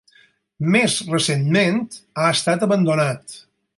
Més recentment ha estat abandonat.